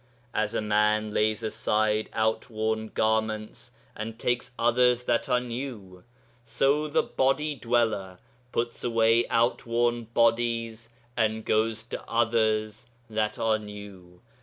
As a man lays aside outworn garments, and takes others that are new, so the Body Dweller puts away outworn bodies and goes to others that are new.